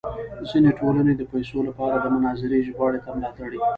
ځینې ټولنې د پیسو لپاره د مناظرې ژباړې ته ملا تړي.